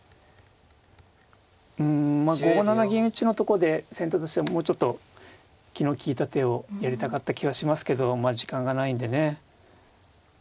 うんまあ５七銀打のとこで先手としてはもうちょっと気の利いた手をやりたかった気はしますけどまあ時間がないんでね。